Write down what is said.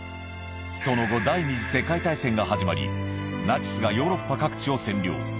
その後、第２次世界大戦が始まり、ナチスがヨーロッパ各地を占領。